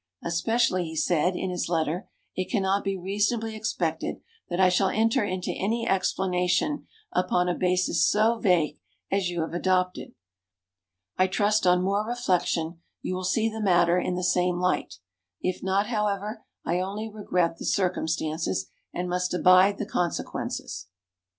"Especially," he said in his letter, "it can not be reasonably expected that I shall enter into any explanation upon a basis so vague as you have adopted. I trust on more reflection you will see the matter in the same light. If not, however, I only regret the circumstances, and must abide the consequences."